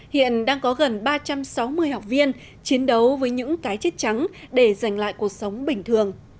hiện đang có gần ba trăm sáu mươi học viên chiến đấu với những cái chết trắng để giành lại cuộc sống bình thường